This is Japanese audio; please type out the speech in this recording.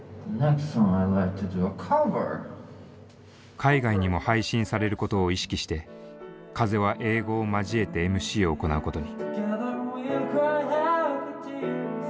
海外にも配信されることを意識して風は英語を交えてＭＣを行うことに。